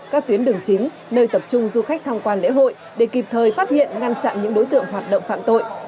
các tuyến đường chính nơi tập trung du khách tham quan lễ hội để kịp thời phát hiện ngăn chặn những đối tượng hoạt động phạm tội